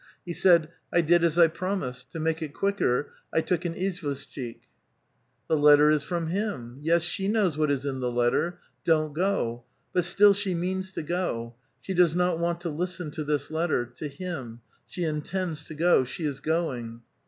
He said, ^ 1 did as I promised ; to make it quicker, 1 took an izvoshchiky The letter is from him ! Yes, she knows what is in the letter ;*' Don't go." But still she means to go. She does uot want to listen to this letter, — to him ; she nitends to go ; she is going.